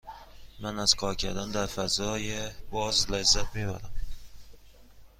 من از کار کردن در فضای باز لذت می برم.